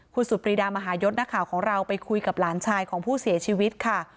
คุณสุดปรีดามหายศนักข่าวของเราไปคุยกับหลานชายของผู้เสียชีวิตค่ะ